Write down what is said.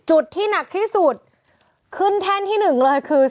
จุดที่หนักที่สุดขึ้นแท่นที่หนึ่งเลยคือ